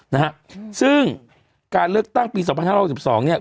นะฮะอืมซึ่งการเลือกตั้งปีสองพันห้าร้อยหกสิบสองเนี้ย